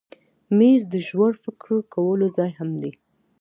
مېز د ژور فکر کولو ځای هم دی.